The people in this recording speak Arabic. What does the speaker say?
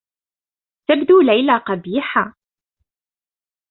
تبدو ليلى قبيحة.